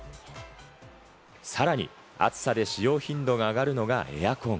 さらに暑さで使用頻度が上がるのがエアコン。